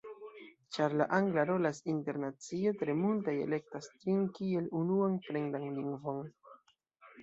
Ĉar la angla rolas internacie, tre multaj elektas ĝin kiel unuan fremdan lingvon.